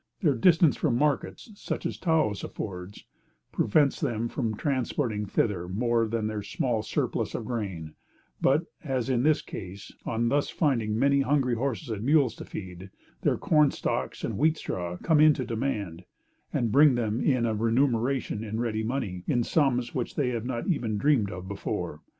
Their distance from markets such as Taos affords, prevents them from transporting thither more than their small surplus of grain; but, as in this case, on thus finding many hungry horses and mules to feed, their corn stalks and wheat straw come into demand, and bring them in a remuneration in ready money, in sums which they have not even dreamed of before.